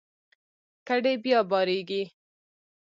کډې بیا بارېږي.